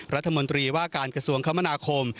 รัฐมนตรีว่าการกระทรวงคมนาคม